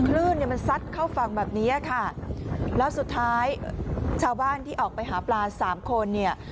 คลื่นเนี่ยมันซัดเข้าฝั่งแบบนี้ค่ะแล้วสุดท้ายชาวบ้านที่ออกไปหาปลาสามคนเนี่ย